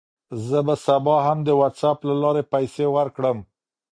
زه به سبا هم د وټساپ له لارې پیسې ورکړم.